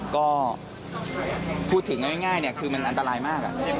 ก็พูดถึงเอาง่ายคือมันอันตรายมาก